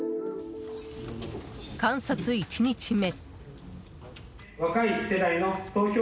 観察１日目。